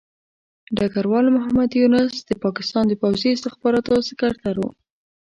ډګروال محمد یونس د پاکستان د پوځي استخباراتو سکرتر وو.